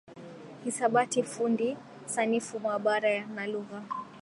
Hisabati fundi sanifu maabara na lugha